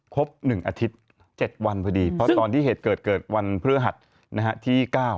ครบ๑อาทิตย์๗วันพอดี